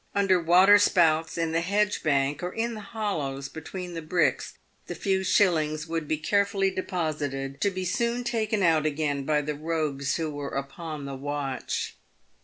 Under waterspouts, in the hedge bank, or in the hollows between bricks, the few shillings would be carefully deposited, to be soon taken out again by the rogues who were upon the w r atch.